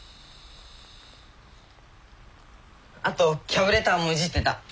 あとキャブレターもいじってた。